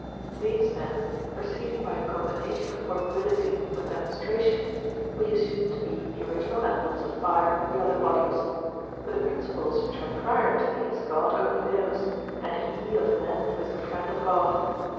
These, then, proceeding by a combination of probability with demonstration, we assume to be the original elements of fire and the other bodies; but the principles which are prior to these God only knows, and he of men who is the friend of God.